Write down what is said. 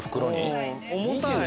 重たいね。